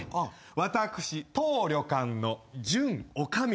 私当旅館の準女将で。